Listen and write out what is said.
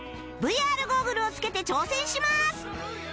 ＶＲ ゴーグルを着けて挑戦します